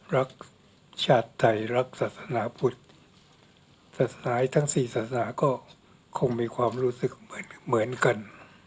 รักชาติไทยรักศาสนาพุทธศาสนาทั้งสี่ศาสนาก็คงมีความรู้สึกเหมือนเหมือนกัน